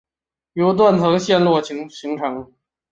由断层陷落形成。